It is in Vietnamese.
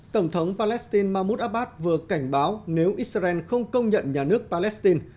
tổng thống palestine mahmoud abbas vừa cảnh báo nếu israel không công nhận nhà nước palestine